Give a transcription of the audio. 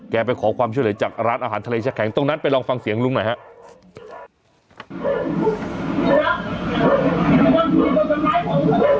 ไปขอความช่วยเหลือจากร้านอาหารทะเลชะแข็งตรงนั้นไปลองฟังเสียงลุงหน่อยครับ